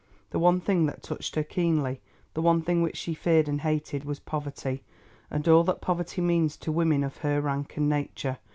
The one thing that touched her keenly, the one thing which she feared and hated was poverty, and all that poverty means to women of her rank and nature.